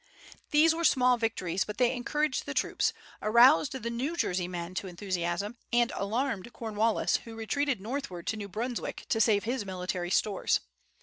These were small victories, but they encouraged the troops, aroused the New Jersey men to enthusiasm, and alarmed Cornwallis, who retreated northward to New Brunswick, to save his military stores.